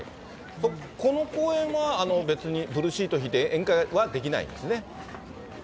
この公園は、別にブルーシート敷いて宴会はできないんですね？